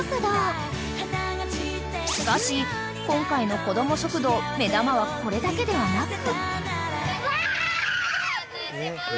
［しかし今回のこども食堂目玉はこれだけではなく］